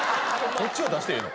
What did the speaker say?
こっちは出してええの？